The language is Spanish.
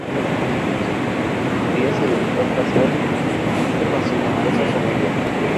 En sus últimos años, María se dedicó a pasar tiempo con su numerosa familia.